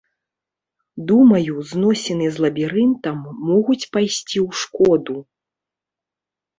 Думаю, зносіны з лабірынтам могуць пайсці ў шкоду.